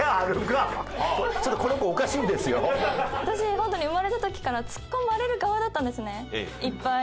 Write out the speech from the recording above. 本当に生まれた時からツッコまれる側だったんですねいっぱい。